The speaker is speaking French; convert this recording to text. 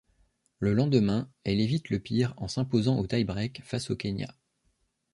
Le lendemain, elle évite le pire en s'imposant au tie-break face au Kenya.